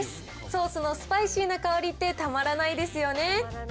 ソースのスパイシーな香りって、たまらないですよね。